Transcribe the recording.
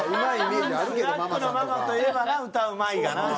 スナックのママといえばな歌うまいがな。